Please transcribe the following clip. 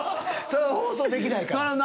それは放送できないから。